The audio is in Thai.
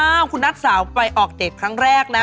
อ้าวคุณนักสารไปออกเดทครั้งแรกนะ